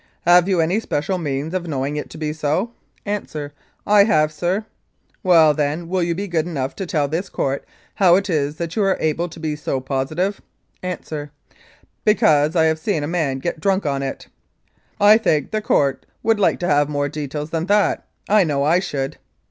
"Have you any special means of knowing it to be so?" Answer: "I have, sir." "Well, then, will you be good enough to tell this Court how it is that you are able to be so positive ?" Answer: "Because I have seen a man get drunk on it." "I think the Court would like to have more details than that; I know I should."